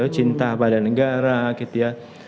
cinta pada negara gitu ya